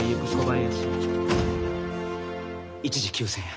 一時休戦や。